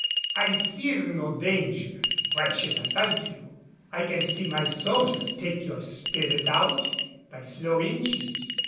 I fear no danger. Why should I fight you? I can see my soldiers take your spirit out by slow inches.